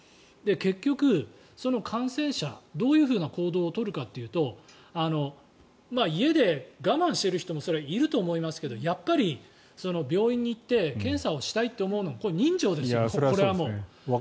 結局、その感染者どういうふうな行動を取るかというと家で我慢している人もそれはいると思いますけどやっぱり病院に行って検査をしたいって思うのは人情ですよ、これはもう。